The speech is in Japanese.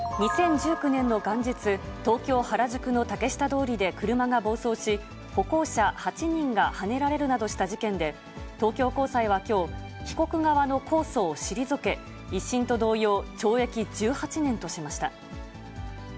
２０１９年の元日、東京・原宿の竹下通りで車が暴走し、歩行者８人がはねられるなどした事件で、東京高裁はきょう、被告側の控訴を退け、１審と同様、懲役１８年としました。